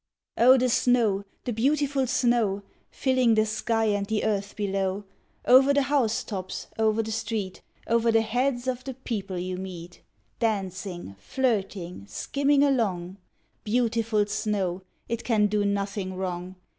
O the snow, the beautiful snow, Filling the sky and the earth below! Over the house tops, over the street, Over the heads of the people you meet, Dancing, Flirting, Skimming along. Beautiful snow! it can do nothing wrong.